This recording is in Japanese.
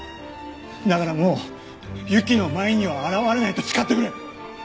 だからもう由季の前には現れないと誓ってくれ。